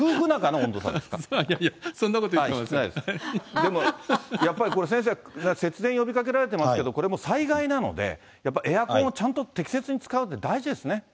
いやいや、そんなこと言ってでも、やっぱり、先生、節電呼びかけられてますけど、これもう、災害なので、やっぱりエアコンをちゃんとやっぱり適切に使うって大事ですね。